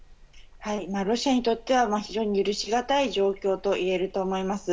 ロシアにとっては非常に許しがたい状況といえると思います。